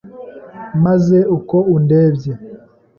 Maze uko undebye